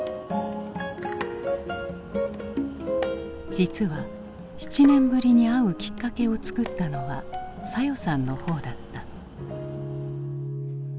実は７年ぶりに会うきっかけを作ったのは早代さんの方だった。